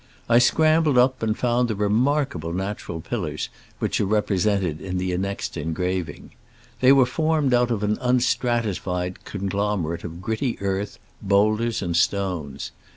I scrambled up, and found the re markable natural pillars which are represented in the annexed engraving. They were formed out of an un stratified conglomerate of gritty earth, boulders and stones.